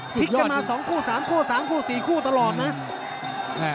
ทิคจะมาสองคู่สามคู่สองคู่๔คู่ตลอดนะ